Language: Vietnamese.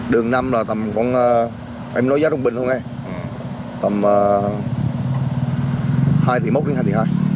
đường năm là tầm em nói giá trung bình thôi nghe tầm hai tỷ mốc đến hai tỷ hai